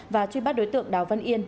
và truy bắt đối tượng đào văn yên